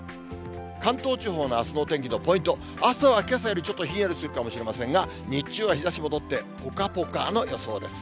関東地方のあすのお天気のポイント、朝はけさよりちょっとひんやりするかもしれませんが、日中は日ざし戻って、ぽかぽかの予想です。